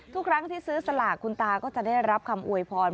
ทุกครั้งที่ซื้อสลากคุณตาก็จะได้รับคำอวยพร